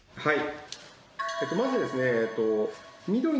「はい。